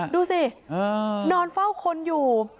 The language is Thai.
ดูสินอนเฝ้าคนอยู่